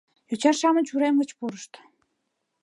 Йоча-шамыч урем гыч пурышт.